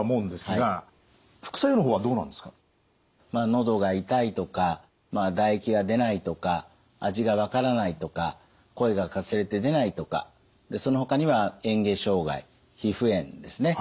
喉が痛いとか唾液が出ないとか味が分からないとか声がかすれて出ないとかそのほかには嚥下障害皮膚炎ですね